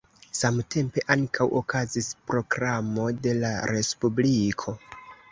Samtempe ankaŭ okazis proklamo de la respubliko.